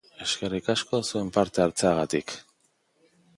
Eskerrik asko zuen parte-hartzeagatik.